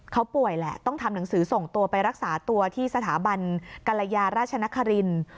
เขาป่วยแหละต้องทำหนังสือส่งตัวไปรักษาตัวที่สถาบันกรยาราชนครินทร์